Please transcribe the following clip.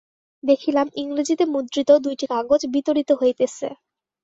দেখিলাম, ইংরেজীতে মুদ্রিত দুইটি কাগজ বিতরিত হইতেছে।